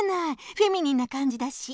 フェミニンなかんじだし。